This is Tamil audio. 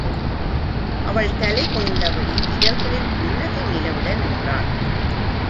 அவள் தலை குனிந்தபடி இதழ்களில் புன்னகை நிலவிட நின்றாள்.